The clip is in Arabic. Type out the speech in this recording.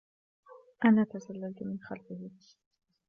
أنا تسللت من خَلفِهِ.